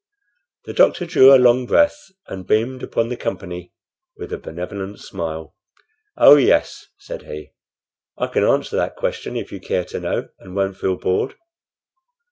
The doctor drew a long breath, and beamed upon the company with a benevolent smile. "Oh yes," said he; "I can answer that question, if you care to know and won't feel bored."